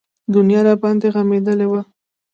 دنيا راباندې غمېدلې وه.